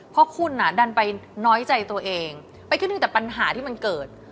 เพราะคุณดันไปน้อยใจตัวเองไปคิดถึงแต่ปัญหาที่มันเกิด